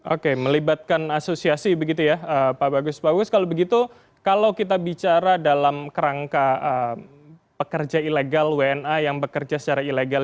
oke melibatkan asosiasi begitu ya pak bagus bagus kalau begitu kalau kita bicara dalam kerangka pekerja ilegal wna yang bekerja secara ilegal